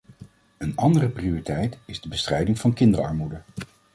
Een andere prioriteit is de bestrijding van kinderarmoede.